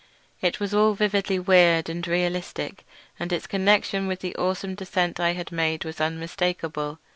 It was all vividly weird and realistic, and its connexion with the awesome descent I had made was unmistakable.